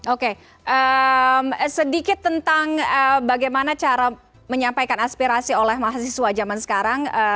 oke sedikit tentang bagaimana cara menyampaikan aspirasi oleh mahasiswa zaman sekarang